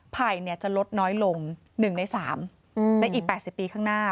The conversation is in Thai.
ไผ่จะลดน้อยลง๑ใน๓ในอีก๘๐ปีข้างหน้า